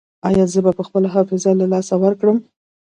ایا زه به خپله حافظه له لاسه ورکړم؟